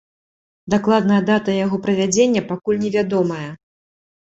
Дакладная дата яго правядзення пакуль невядомая.